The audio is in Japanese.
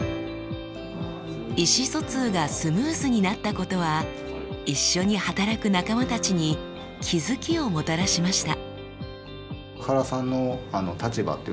意思疎通がスムーズになったことは一緒に働く仲間たちに気付きをもたらしました。